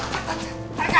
誰か！